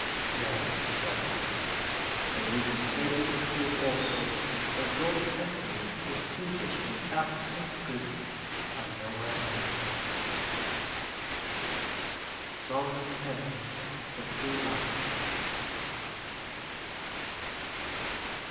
'Yes,' said I. 'Then we can safely conclude, also, that God's essence is seated in absolute good, and nowhere else.' SONG X. THE TRUE LIGHT.